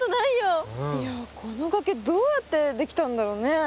いやこのがけどうやってできたんだろうね。